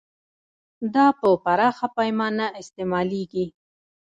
دا په پراخه پیمانه استعمالیږي.